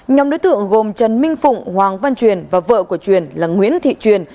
nhóm đối tượng gồm trần minh phụng hoàng văn truyền và vợ của truyền là nguyễn thị truyền